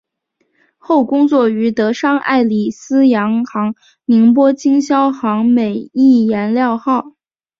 后工作于德商爱礼司洋行宁波经销行美益颜料号。